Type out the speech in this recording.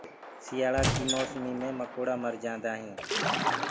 سِيآݪآ ڪآ موسمو مينٚ مڪوڙآ مر جآندآ هينٚ۔